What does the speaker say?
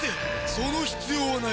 その必要はない。